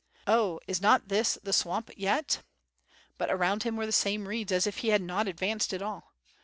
"Oh, is not this the swamp yet!" But around him were the same reeds as if he had not advanced at all.